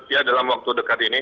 ya dalam waktu dekat ini